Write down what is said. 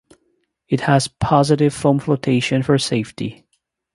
It has positive foam flotation for safety.